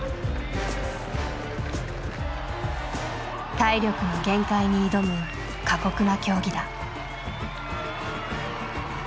体力の限界に挑む過酷な競技だ。